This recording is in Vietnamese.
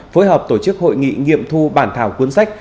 phối hợp tổ chức hội nghị nghiệm thu bản thảo cuốn sách